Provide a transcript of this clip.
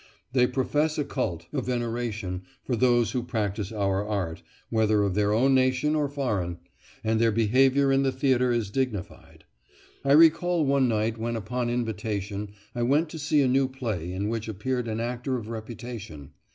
They profess a cult, a veneration, for those who practise our art, whether of their own nation or foreign, and their behaviour in the theatre is dignified. I recall one night when upon invitation I went to see a new play in which appeared an actor of reputation.